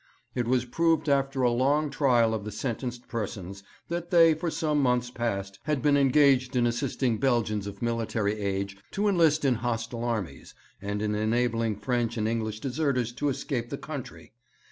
'It was proved after a long trial of the sentenced persons that they for some months past had been engaged in assisting Belgians of military age to enlist in hostile armies, and in enabling French and English deserters to escape the country.